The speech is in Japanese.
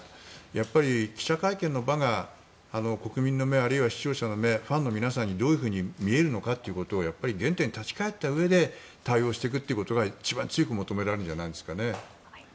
やはり記者会見の場が国民の目あるいは視聴者の目ファンの皆さんにどういうふうに見えるのかということを原点に立ち返ったうえで対応していくということが一番強く求められるんじゃないですかね。